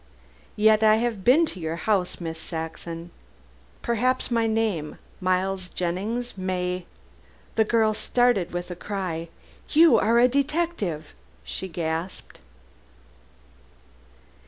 "Yet I have been to your house, Miss Saxon. Perhaps my name, Miles Jennings, may " The girl started with a cry. "You are a detective!" she gasped.